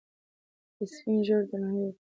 د سپین ږیرو درناوی وکړئ.